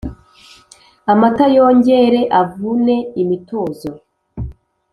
Amata yongere avune imitozo